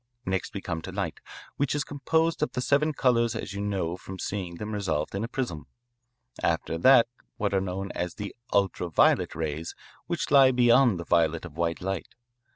Next we come to light, which is composed of the seven colours as you know from seeing them resolved in a prism. After that are what are known as the ultra violet rays, which lie beyond the violet of white light.